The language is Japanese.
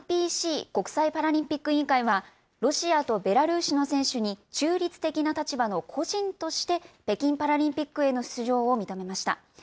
ＩＰＣ・国際パラリンピック委員会は、ロシアとベラルーシの選手に中立的な立場の個人として、北京パラリンピックへの出場を認めました。